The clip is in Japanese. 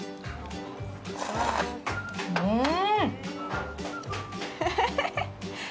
うん。